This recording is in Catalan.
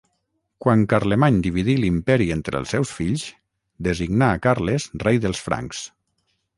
Quan Carlemany dividí l'Imperi entre els seus fills, designà Carles Rei dels Francs.